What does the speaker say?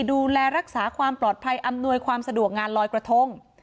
ดูแลรักษาความปลอดภัยอำนวยความสะดวกงานลอยกระทง